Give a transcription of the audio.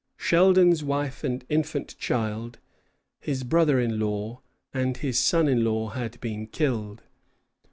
Sheldon's wife and infant child, his brother in law, and his son in law had been killed.